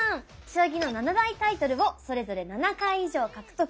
将棋の七大タイトルをそれぞれ７回以上獲得。